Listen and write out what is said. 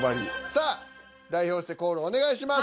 さあ代表してコールお願いします。